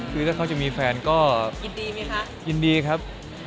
หรือถ้าเขาจะมีแฟนก็ยินดีครับ